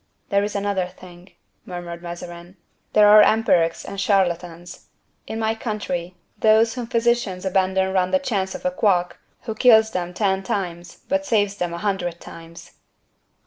"There is another thing," murmured Mazarin; "there are empirics and charlatans. In my country, those whom physicians abandon run the chance of a quack, who kills them ten times but saves them a hundred times."